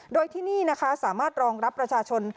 โดยที่นี่นะคะสามารถรองรับประชาชน